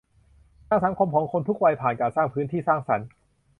ทางสังคมของคนทุกวัยผ่านการสร้างพื้นที่สร้างสรรค์